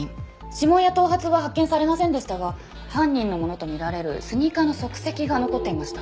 指紋や頭髪は発見されませんでしたが犯人のものとみられるスニーカーの足跡が残っていました。